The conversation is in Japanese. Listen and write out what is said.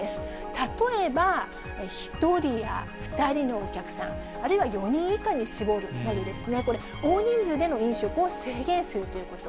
例えば、１人や２人のお客さん、あるいは４人以下に絞るなど、これ、大人数での飲食を制限するということ。